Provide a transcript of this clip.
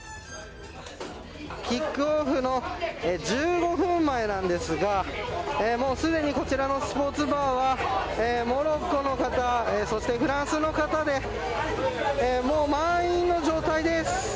キックオフの１５分前なんですがもうすでにこちらのスポーツバーはモロッコの方そして、フランスの方でもう満員の状態です。